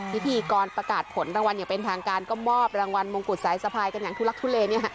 พิธีกรประกาศผลรางวัลอย่างเป็นทางการก็มอบรางวัลมงกุฎสายสะพายกันอย่างทุลักทุเล